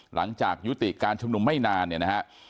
หลังจากยุติการชุมนุมไม่นานเนี่ยนะฮะ